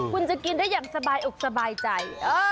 คุณจะกินได้อย่างสบายอกสบายใจ